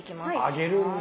揚げるんだ。